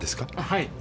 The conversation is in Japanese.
はい。